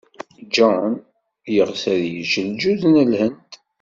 Jean yeɣs ad yečč lǧuz n Lhend.